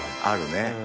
あるね。